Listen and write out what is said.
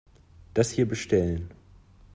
Das hier bestellen.